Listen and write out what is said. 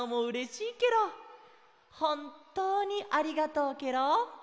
ほんとうにありがとうケロ。